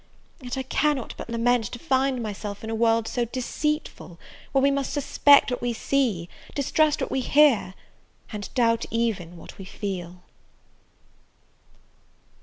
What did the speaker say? Yet I cannot but lament to find myself in a world so deceitful, where we must suspect what we see, distrust what we hear, and doubt even what we feel!